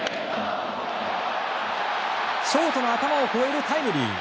ショートの頭を越えるタイムリー。